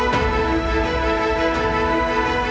สวัสดีครับสวัสดีครับ